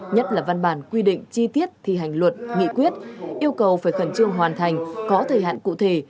nhất là văn bản quy định chi tiết thi hành luật nghị quyết yêu cầu phải khẩn trương hoàn thành có thời hạn cụ thể